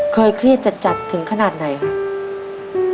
เครียดจัดถึงขนาดไหนครับ